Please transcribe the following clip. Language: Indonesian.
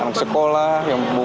anak sekolah yang bangkit kerja